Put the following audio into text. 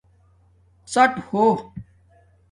ڎاٹ ہو